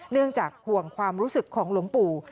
เนื่องจากห่วงความรู้สึกของหลวงปู่